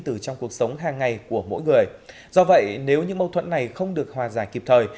từ trong cuộc sống hàng ngày của mỗi người do vậy nếu những mâu thuẫn này không được hòa giải kịp thời